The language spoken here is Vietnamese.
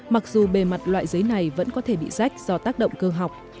mặc dù bề mặt loại giấy này vẫn có thể bị rách do tác động cơ học